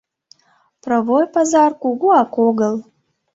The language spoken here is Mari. Провой пазар кугуак огыл